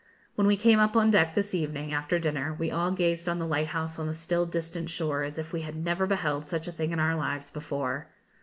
When we came up on deck this evening, after dinner, we all gazed on the lighthouse on the still distant shore as if we had never beheld such a thing in our lives before.